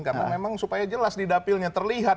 karena memang supaya jelas di dapilnya terlihat